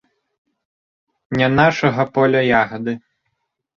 Не нашага поля ягады.